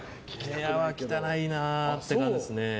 部屋は汚いなって感じですね。